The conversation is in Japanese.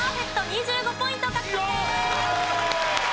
２５ポイント獲得です！